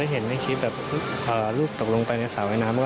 เห็นรูปตกลงไปในสระว่ายน้ำ